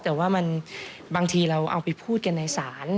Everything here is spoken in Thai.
แต่ว่ามันบางทีเราเอาไปพูดกันในศาล